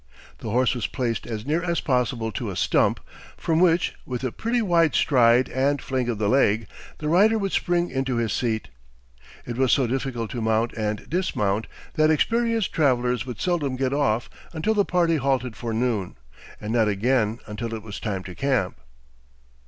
The horse was placed as near as possible to a stump, from which, with a "pretty wide stride and fling of the leg," the rider would spring into his seat. It was so difficult to mount and dismount, that experienced travelers would seldom get off until the party halted for noon, and not again until it was time to camp.